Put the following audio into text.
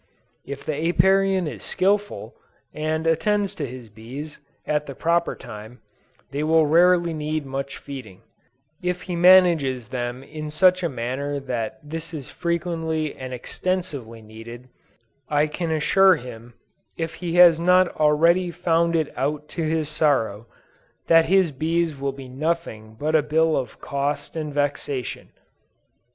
If the Apiarian is skillful, and attends to his bees, at the proper time, they will rarely need much feeding; if he manages them in such a manner that this is frequently and extensively needed, I can assure him, if he has not already found it out to his sorrow, that his bees will be nothing but a bill of cost and vexation.